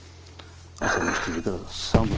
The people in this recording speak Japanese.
朝の７時から作務。